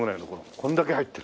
これだけ入ってる。